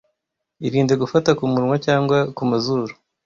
Irinde gufata ku munwa cyangwa ku mazuru